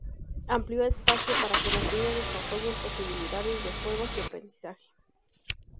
Amplio espacio, para que los niños desarrollen posibilidades de juegos y aprendizaje.